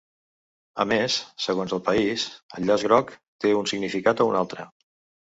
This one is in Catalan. A més, segons els país, el llaç groc té un significat o un altre.